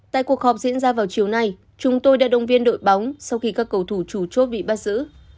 tại cuộc họp diễn ra vào chiều nay chúng tôi đã động viên đội bóng sau khi các cầu thủ chủ chốt bị bắt giữ